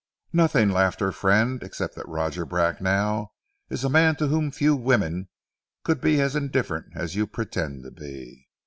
"Nothing," laughed her friend, "except that Roger Bracknell is a man to whom few women could be as indifferent as you pretend to be.